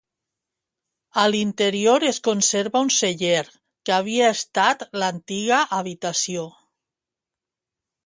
A l'interior es conserva un celler que havia estat l'antiga habitació.